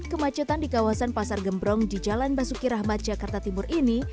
kemacetan di kawasan pasar gembrong di jalan basuki rahmat jakarta timur ini